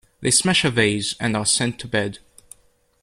They smash a vase and are sent to bed.